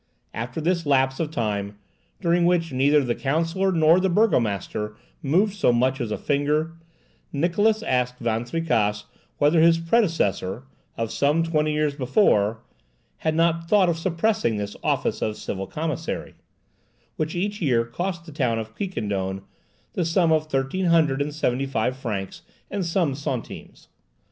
After this lapse of time, during which neither the counsellor nor the burgomaster moved so much as a finger, Niklausse asked Van Tricasse whether his predecessor—of some twenty years before—had not thought of suppressing this office of civil commissary, which each year cost the town of Quiquendone the sum of thirteen hundred and seventy five francs and some centimes.